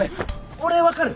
俺わかる？